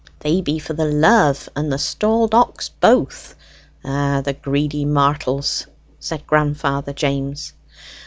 "They be for the love and the stalled ox both. Ah, the greedy martels!" said grandfather James.